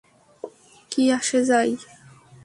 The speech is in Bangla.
কী আসে যায়?